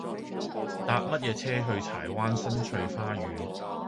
搭乜嘢車去柴灣新翠花園